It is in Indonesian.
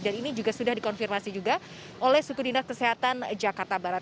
dan ini juga sudah dikonfirmasi juga oleh suku dinas kesehatan jakarta barat